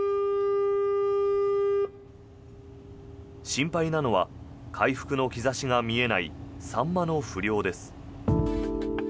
心配なのは回復の兆しが見えないサンマの不漁です。